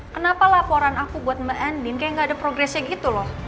kenapa laporan aku buat mbak ending kayak gak ada progresnya gitu loh